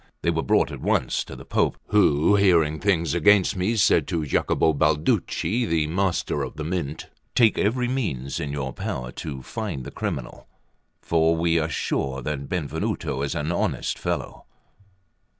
They were brought at once to the Pope, who, hearing things against me, said to Giacopo Balducci, the Master of the Mint, "Take every means in your power to find the criminal; for we are sure that Benvenuto is an honest fellow."